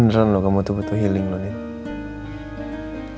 ini beneran loh kamu butuh healing lo approachesnya